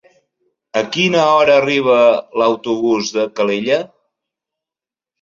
A quina hora arriba l'autobús de Calella?